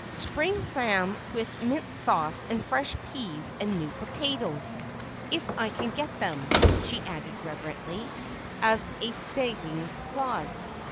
"Spring lamb with mint sauce and fresh peas and new potatoes, if I can get them," she added reverently as a saving clause.